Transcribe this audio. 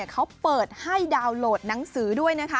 เขาเปิดให้ดาวน์โหลดหนังสือด้วยนะคะ